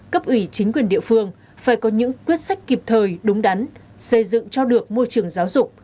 cấp ủy chính quyền địa phương phải có những quyết sách kịp thời đúng đắn xây dựng cho được môi trường giáo dục